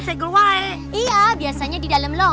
kita cek sama sama